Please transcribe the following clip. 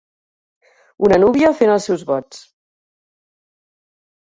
Una núvia fent els seus vots.